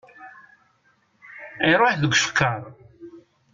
Iṛuḥ deg ucekkaṛ!